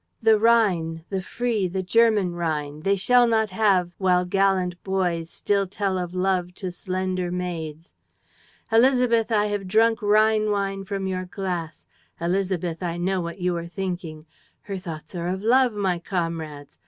"'The Rhine, the free, the German Rhine They shall not have while gallant boys Still tell of love to slender maids. ...' "Élisabeth, I have drunk Rhine wine from your glass. Élisabeth, I know what you are thinking. Her thoughts are of love, my comrades!